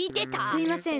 すいません。